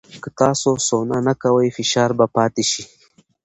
که تاسو سونا نه کوئ، فشار به پاتې شي.